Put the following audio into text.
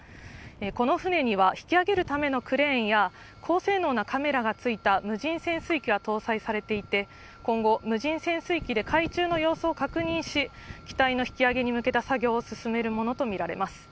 この船には引き揚げるためのクレーンや、高性能なカメラがついた無人潜水機が搭載されていて、今後、無人潜水機で海中の様子を確認し、機体の引き揚げに向けた作業を進めるものと見られます。